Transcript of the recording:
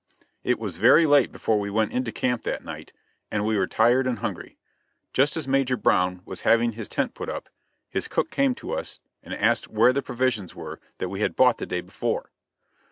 It was very late before we went into camp that night, and we were tired and hungry. Just as Major Brown was having his tent put up, his cook came to us and asked where the provisions were that we had bought the day before.